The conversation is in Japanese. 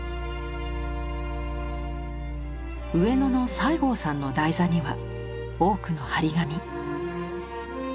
「上野の西郷さん」の台座には多くの貼り紙。